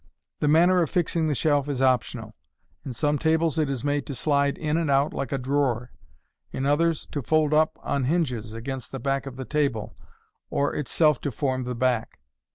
The manner of fixing the shelf is optional. In some tables it is made to slide in and out like a drawer $ in others to fold up on hinges against the back of the table, or itself to form the back.